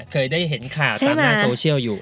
เคยได้เห็นข่าวตามหน้าโซเชียลอยู่